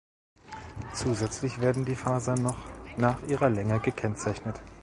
Zusätzlich werden die Fasern noch nach ihrer Länge gekennzeichnet.